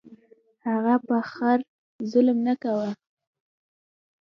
هغه په خر ظلم نه کاوه.